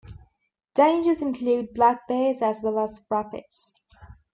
Dangers include black bears as well as rapids.